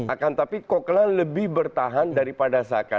akan tapi cocala lebih bertahan daripada saka